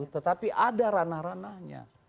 tetapi ada ranah ranahnya